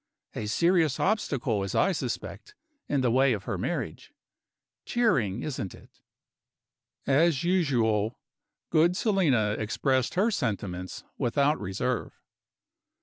A serious obstacle, as I suspect, in the way of her marriage. Cheering, isn't it?" As usual, good Selina expressed her sentiments without reserve.